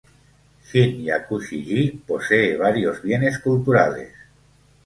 Shin-Yakushi-ji posee varios bienes culturales.